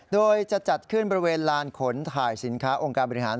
โดยจะจัดขึ้นบริเวณลานขนถ่ายสินค้าองค์การบริหาร